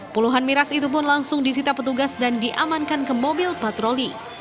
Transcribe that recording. puluhan miras itu pun langsung disita petugas dan diamankan ke mobil patroli